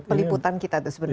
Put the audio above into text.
peliputan kita itu sebenarnya